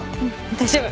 大丈夫。